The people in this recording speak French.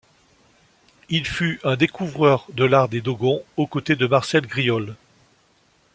Il fut un découvreur de l'art des Dogons, aux côtés de Marcel Griaule.